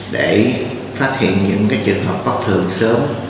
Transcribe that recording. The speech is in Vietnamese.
để phát hiện những trường hợp bất thường sớm